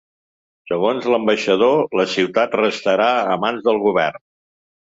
Segons l’ambaixador, la ciutat restarà a mans del govern.